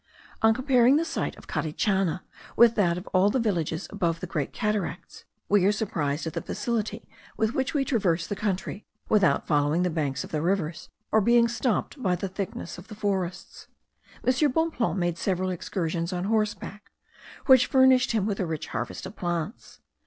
On comparing the site of Carichana with that of all the villages above the Great Cataracts, we are surprised at the facility with which we traverse the country, without following the banks of the rivers, or being stopped by the thickness of the forests. M. Bonpland made several excursions on horseback, which furnished him with a rich harvest of plants.